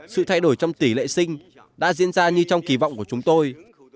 sự thay đổi trong tỷ lệ sinh đã diễn ra như trong kỳ vọng của chúng tôi